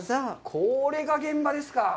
これが現場ですか。